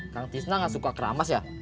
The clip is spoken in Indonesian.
kang tisna gak suka keramas ya